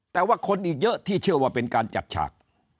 แต่ว่าคนอีกเยอะที่เชื่อว่าเป็นการจัดฉาก